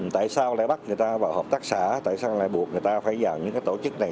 tại sao lại bắt người ta vào hợp tác xã tại sao lại buộc người ta phải vào những cái tổ chức này